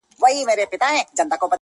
له باڼو تر ګرېوانه د اوښكو كور دئ؛